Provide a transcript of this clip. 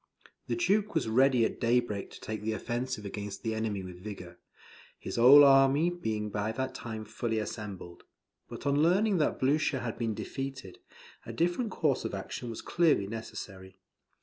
The Duke was ready at daybreak to take the offensive against the enemy with vigour, his whole army being by that time fully assembled. But on learning that Blucher had been defeated, a different course of action was clearly necessary.